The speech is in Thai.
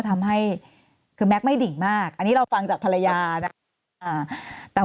ทำให้แม็กซ์ไม่ดิ่งมากอันนี้เราฟังจากภรรยาแม็กซ์นะครับอ่าแต่